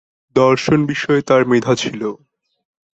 দর্শন বিষয়ে তার মেধা ছিল।